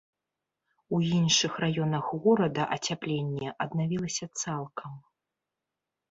У іншых раёнах горада ацяпленне аднавілася цалкам.